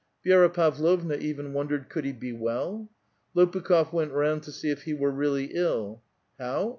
Vi^ra Pavlovna even wondered "could he be well?" Lo pukh6f went round to see if he were really ill. "How?